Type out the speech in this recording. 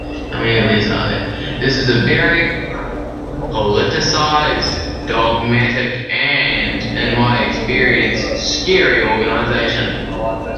This is a very politicised, dogmatic, and in my experience scary organisation.